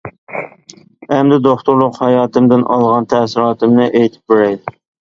ئەمدى دوختۇرلۇق ھاياتىمدىن ئالغان تەسىراتىمنى ئېيتىپ بېرەي.